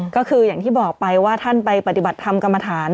ก็คืออย่างที่บอกไปว่าท่านไปปฏิบัติธรรมกรรมฐาน